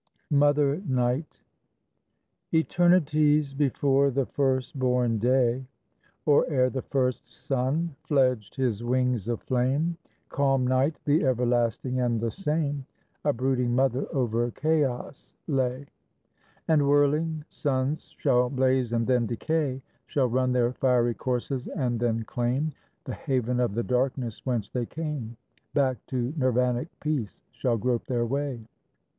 MOTHER NIGHT Eternities before the first born day, Or ere the first sun fledged his wings of flame, Calm Night, the everlasting and the same, A brooding mother over chaos lay. And whirling suns shall blaze and then decay, Shall run their fiery courses and then claim The haven of the darkness whence they came; Back to Nirvanic peace shall grope their way.